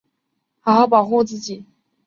好好保护自己